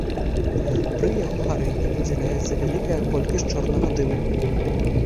Пры яго гарэнні выдзяляецца вялікая колькасць чорнага дыму.